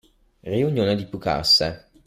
Riunione di più casse.